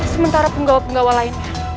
sementara penggawa penggawa lainnya